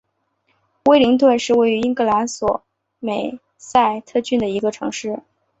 威灵顿是位于英格兰索美塞特郡的一个城市。